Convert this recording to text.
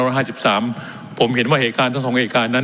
ร้อยห้าสิบสามผมเห็นว่าเหตุการณ์ทั้งสองเหตุการณ์นั้น